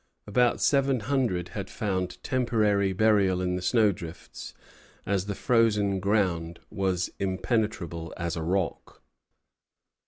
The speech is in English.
About seven hundred had found temporary burial in the snowdrifts, as the frozen ground was impenetrable as a rock.